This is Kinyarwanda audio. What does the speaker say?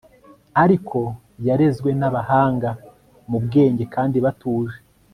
ariko yarezwe nabahanga mubwenge kandi batuje